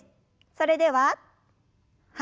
それでははい。